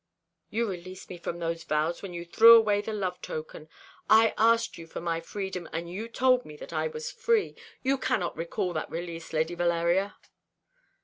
"You released me from those vows when you threw away the love token. I asked you for my freedom, and you told me that I was free. You cannot recall that release, Lady Valeria."